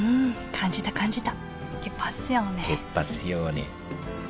感じた感じた